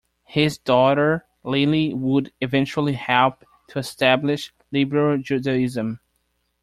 His daughter Lily would eventually help to establish Liberal Judaism.